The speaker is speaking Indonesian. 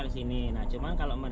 untuk mereka yang berpengalaman